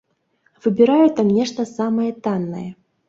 Выбіраю там нешта самае таннае.